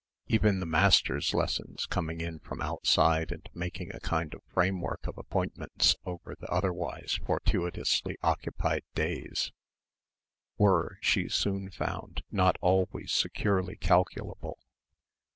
Even the masters' lessons, coming in from outside and making a kind of framework of appointments over the otherwise fortuitously occupied days, were, she soon found, not always securely calculable.